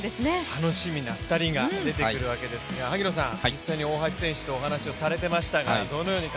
楽しみな２人が出てくるわけですが、実際に大橋選手とお話しされていましたが？